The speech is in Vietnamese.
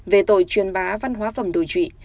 về tội truyền bá văn hóa phẩm đồi trụy